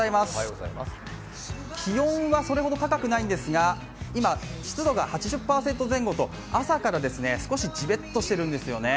気温はそれほど高くないんですが今、湿度が８０％前後と、朝から少しジメッとしているんですよね。